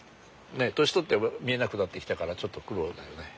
年取って見えなくなってきたからちょっと苦労だよね。